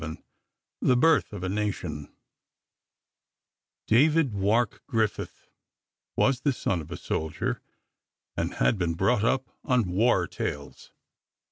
VII "THE BIRTH OF A NATION" David Wark Griffith was the son of a soldier, and had been brought up on war tales.